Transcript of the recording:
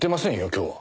今日は。